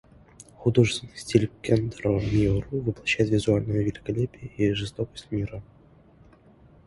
Художественный стиль Кентаро Миуры воплощает визуальное великолепие и жестокость мира.